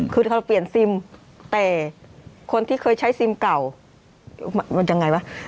คือเขาเปลี่ยนซิมแต่คนที่เคยใช้ซิมเก่ามันยังไงวะ